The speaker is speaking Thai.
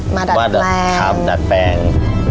มาดัดแปลงค่ะดัดแปลง